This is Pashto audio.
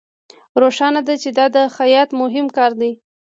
روښانه ده چې دا د خیاط مهم کار دی